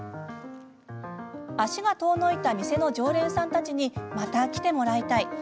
足が遠のいた店の常連さんたちにまた来てもらいたい。